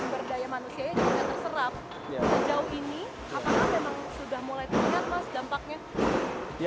sejauh ini apakah memang sudah mulai terlihat mas dampaknya